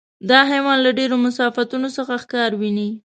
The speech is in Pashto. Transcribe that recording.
دا حیوان له ډېرو مسافتونو څخه ښکار ویني.